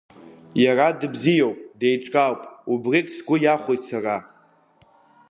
Иара дыбзиоуп, деиҿкаауп, убригь сгәы иахәоит сара.